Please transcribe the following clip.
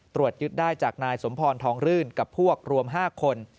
ตรวจยึดได้จากนายสมพรทองรื่นกับพวกรวม๕คน